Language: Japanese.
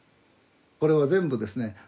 これは全部ですね